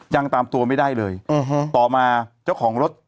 ยังตามตัวไม่ได้เลยต่อมาเจ้าของรถ